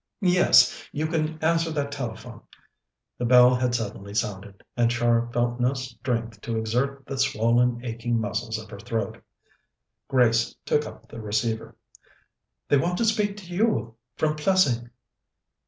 Yes. You can answer that telephone." The bell had suddenly sounded, and Char felt no strength to exert the swollen, aching muscles of her throat. Grace took up the receiver. "They want to speak to you from Plessing."